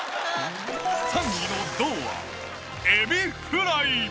３位の銅は、エビフライ。